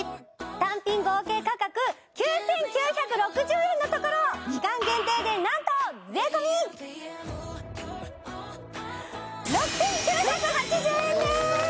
単品合計価格９９６０円のところ期間限定でなんと税込６９８０円です！